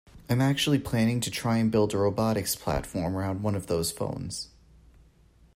I'm actually planning to try and build a robotics platform around one of those phones.